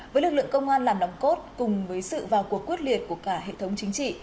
với lực lượng công an làm nòng cốt cùng với sự vào cuộc quyết liệt của cả hệ thống chính trị